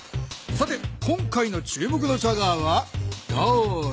さて今回の注目のチャガーはだれ？